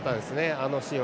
あのシーンは。